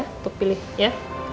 untuk pilih ya